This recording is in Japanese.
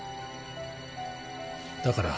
だから。